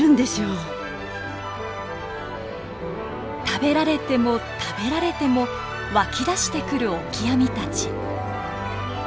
食べられても食べられても湧き出してくるオキアミたち。